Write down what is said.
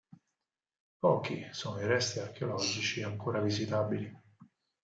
Pochi sono i resti archeologici ancora visitabili.